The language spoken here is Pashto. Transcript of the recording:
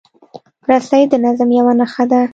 رسۍ د نظم یوه نښه ده.